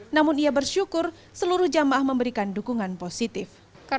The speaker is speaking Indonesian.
namun ia bersyukur seluruh jamaah memberikan dukungan positif